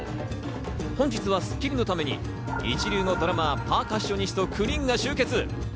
本日は『スッキリ』のために一流のドラマ、パーカッショニスト、９人が集結。